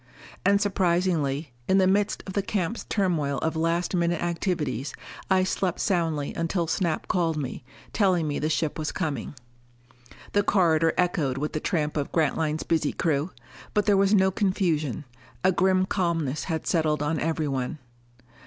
And surprisingly, in the midst of the camp's turmoil of last minute activities, I slept soundly until Snap called me, telling me the ship was coming. The corridor echoed with the tramp of Grantline's busy crew. But there was no confusion; a grim calmness had settled on everyone.